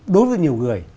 đối với nhiều người